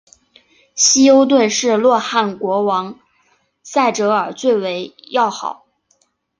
希优顿是洛汗国王塞哲尔最为要好。